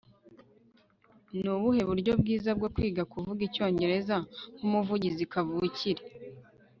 nubuhe buryo bwiza bwo kwiga kuvuga icyongereza nkumuvugizi kavukire